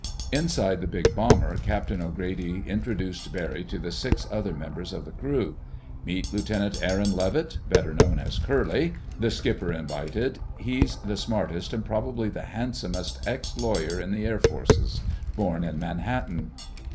Inside the big bomber, Captain O'Grady introduced Barry to the six other members of the crew. "Meet Lieutenant Aaron Levitt, better known as Curly," the skipper invited. "He's the smartest, and probably the handsomest, ex lawyer in the Air Forces. Born in Manhattan."